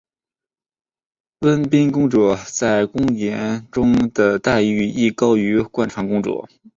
温宪公主在宫廷中的待遇亦高于惯常公主。